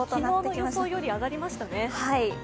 昨日の予想より上がりましたね。